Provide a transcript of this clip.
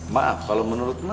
maaf kalo menurut mas